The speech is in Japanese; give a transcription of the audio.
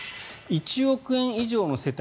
１億円以上の世帯